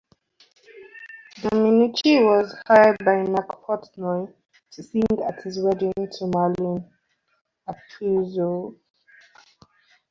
Dominici was hired by Mike Portnoy to sing at his wedding to Marlene Apuzzo.